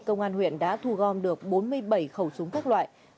công an huyện đã thu gom được bốn mươi bảy khẩu súng các loại